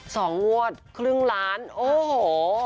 สองงวดครึ่งล้านโอ้โห